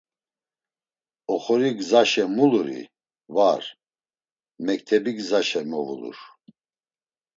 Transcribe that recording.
Oxori gzaşe muluri; var, mektebi gzaşe movulur.